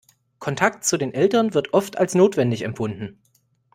Kontakt zu den Eltern wird oft als notwendig empfunden.